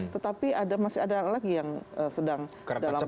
tetapi ada masih ada lagi yang sedang dalam proses